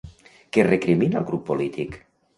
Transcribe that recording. Què recrimina el grup polític?